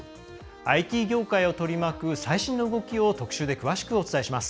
ＩＴ業界を取り巻く最新の動きを特集で詳しくお伝えします。